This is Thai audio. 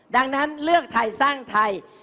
ดังนั้นเลือกไทยสร้างไทย